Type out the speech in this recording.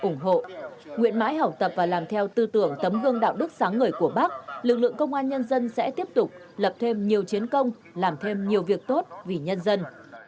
nguyện mãi học tập và làm theo tư tưởng tấm gương đạo đức sáng người của bác lực lượng công an nhân dân sẽ tiếp tục lập thêm nhiều chiến công làm thêm nhiều việc tốt vì nhân dân